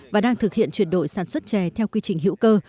và đang thực hiện chuyển đổi sản xuất chè theo quy trình hữu cơ